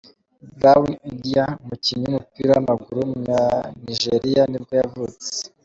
Brown Ideye, umukinnyi w’umupira w’amaguru w’umunyanigeriya nibwo yavutse.